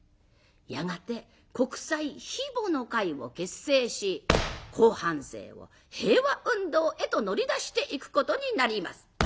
やがて「国際悲母の会」を結成し後半生を平和運動へと乗り出していくことになります。